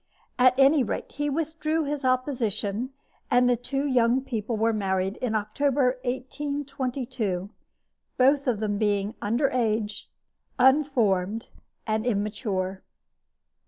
At any rate, he withdrew his opposition, and the two young people were married in October, 1822 both of them being under age, unformed, and immature.